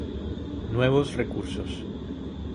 Nuevos recursos: